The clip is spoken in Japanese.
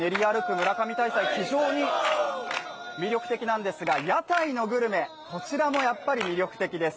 村上大祭、非常に魅力的なんですが、屋台のグルメ、こちらもやっぱり魅力的です。